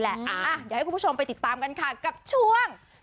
เดี๋ยวให้คุณผู้ชมไปติดตามกันค่ะกับช่วง